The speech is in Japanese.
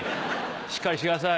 しっかりしてください